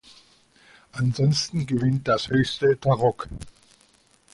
Ansonsten gewinnt das höchste Tarock.